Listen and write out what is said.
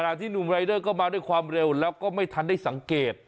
ที่หนุ่มรายเดอร์ก็มาด้วยความเร็วแล้วก็ไม่ทันได้สังเกต